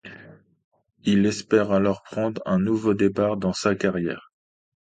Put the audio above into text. Il espère alors prendre un nouveau départ dans sa carrière.